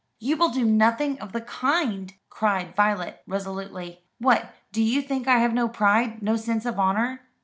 "You will do nothing of the kind!" cried Violet resolutely. "What, do you think I have no pride no sense of honour?